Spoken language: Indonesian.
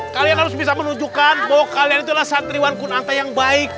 kalian harus bisa menunjukkan bahwa kalian itulah santriwan kunanta yang baik